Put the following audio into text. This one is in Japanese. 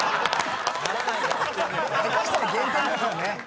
下手したら減点ですよね。